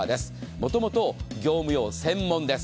もともと業務用専門です。